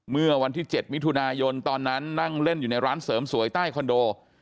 เมื่อวันที่๗มิถุนายนตอนนั้นนั่งเล่นอยู่ในร้านเสริมสวยใต้คอนโด